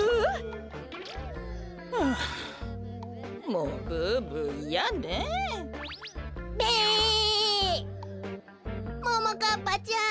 ももかっぱちゃん